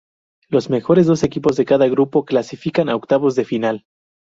Los mejores dos equipos de cada grupo clasifican a octavos de final.